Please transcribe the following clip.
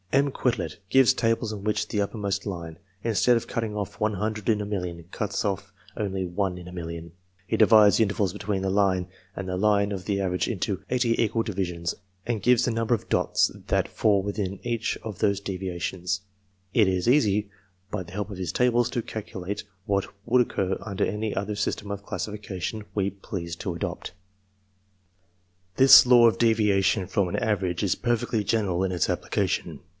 M. Quetelet gives tables in which the uppermost line, instead of cutting off 100 in a million, cuts off only one in a million. He divides the intervals between that line and ACCORDING TO THEIR NATURAL GIFTS 25 the line of average, into eighty equal divisions, and gives the number of dots that fall within each of those divisions. It is easy, by the help of his tables, to calculate what would occur under any other system of classification we pleased to adopt. This law of deviation from an average is perfectly general in its application.